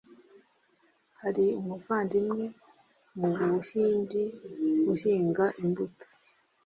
hari umuvandimwe wo mu Buhindi uhinga imbuto